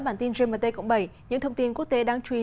bản tin gmt cộng bảy những thông tin quốc tế đáng chú ý